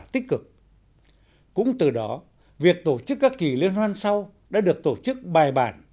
tích cực cũng từ đó việc tổ chức các kỳ liên hoan sau đã được tổ chức bài bản